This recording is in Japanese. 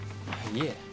いえ。